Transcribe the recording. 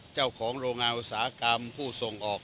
เจ้าของโรงงานอุตสาหกรรมผู้ส่งออก